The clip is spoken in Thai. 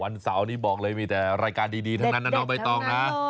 เสาร์นี้บอกเลยมีแต่รายการดีทั้งนั้นนะน้องใบตองนะ